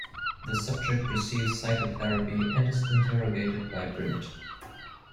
The subject receives psychotherapy and is interrogated by Brint.